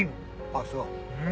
あっそう。